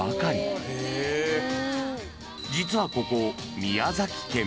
［実はここ］